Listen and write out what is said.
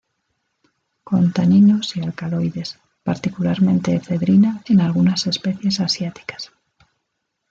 Con taninos y alcaloides, particularmente efedrina en algunas especies asiáticas.